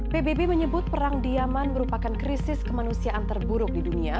pbb menyebut perang diaman merupakan krisis kemanusiaan terburuk di dunia